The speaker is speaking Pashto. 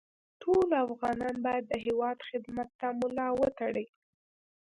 ټول افغانان باید د هېواد خدمت ته ملا وتړي